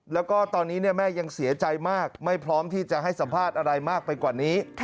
แล้วก็ตอนนี้แม่ยังเสียใจมากไม่พร้อมที่จะให้สัมภาษณ์อะไรมากไปกว่านี้